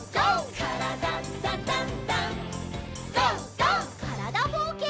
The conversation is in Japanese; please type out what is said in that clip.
からだぼうけん。